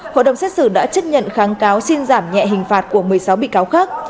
hội đồng xét xử đã chấp nhận kháng cáo xin giảm nhẹ hình phạt của một mươi sáu bị cáo khác